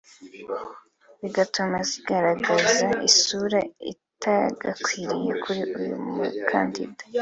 bigatuma zigaragaza isura itagakwiriye kuri uyu mukandida